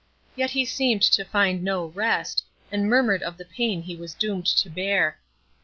Yet he seemed to find no rest, and murmured of the pain he was doomed to bear.